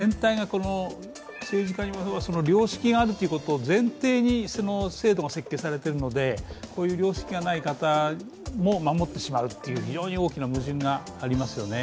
全体が政治家に良識があることを前提に制度が設計されているのでこういう良識がない方も守ってしまうという、非常に大きな矛盾がありますよね。